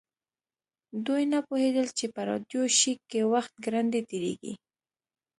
دوی نه پوهیدل چې په راډیو شیک کې وخت ګړندی تیریږي